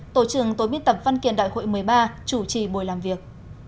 tổ trưởng tối biên tập văn kiện đại hội một mươi ba chủ trì buổi làm việc